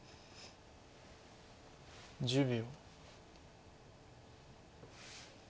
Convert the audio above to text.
１０秒。